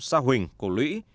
sa huỳnh cổ lũy